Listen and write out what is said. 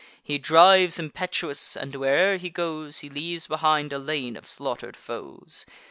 He drives impetuous, and, where'er he goes, He leaves behind a lane of slaughter'd foes.